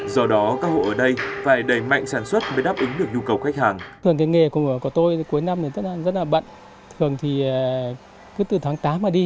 do đó các hộ ở đây phải đẩy mạnh sản xuất mới đáp ứng được nhu cầu khách hàng